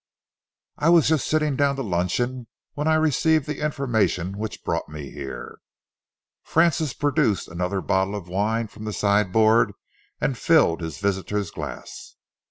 I was just sitting down to luncheon when I received the information which brought me here." Francis produced another bottle of wine from the sideboard and filled his visitor's glass.